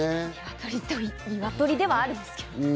ニワトリではあるんですけど。